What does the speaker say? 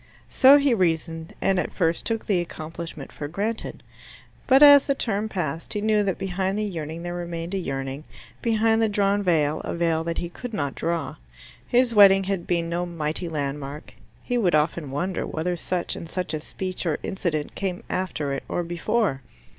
So he reasoned, and at first took the accomplishment for granted. But as the term passed he knew that behind the yearning there remained a yearning, behind the drawn veil a veil that he could not draw. His wedding had been no mighty landmark: he would often wonder whether such and such a speech or incident came after it or before.